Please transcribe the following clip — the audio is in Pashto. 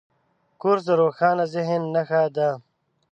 کورس د روښانه ذهن نښه ده.